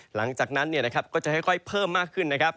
หลังจากนั้นก็จะค่อยเพิ่มมากขึ้นนะครับ